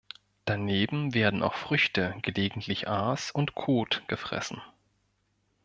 Daneben werden auch Früchte, gelegentlich Aas und Kot gefressen.